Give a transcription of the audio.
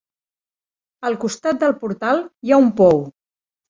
Al costat del portal hi ha un pou.